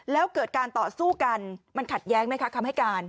แล้วเกิดการต่อสู้กันมันขัดแย้งไหมคะคำให้การ